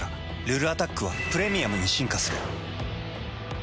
「ルルアタック」は「プレミアム」に進化する。